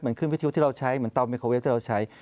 เหมือนคลื่นวิทิวที่เราใช้เหมือนเตาไมโครเวฟที่เราใช้